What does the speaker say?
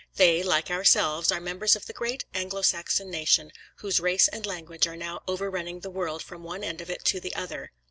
They, like ourselves, are members of the great Anglo Saxon nation "whose race and language are now overrunning the world from one end of it to the other."